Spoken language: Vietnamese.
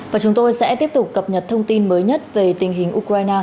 và chúng tôi sẽ tiếp tục cập nhật thông tin mới nhất về tình hình ukraine